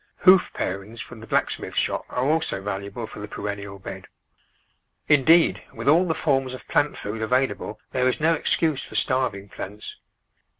Hoof parings from the blacksmith shop are also valuable for the perennial bed. Indeed, with all the forms of plant food avail able there is no excuse for starving plants.